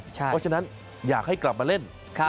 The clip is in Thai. เพราะฉะนั้นอยากให้กลับมาเล่น